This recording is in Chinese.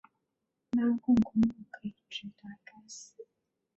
拉贡公路可以直达该寺。